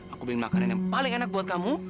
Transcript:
aku bikin makanan yang paling enak buat kamu